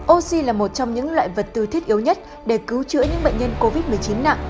oxy là một trong những loại vật tư thiết yếu nhất để cứu chữa những bệnh nhân covid một mươi chín nặng